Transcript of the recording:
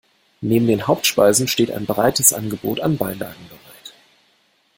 Neben den Hauptspeisen steht ein breites Angebot an Beilagen bereit.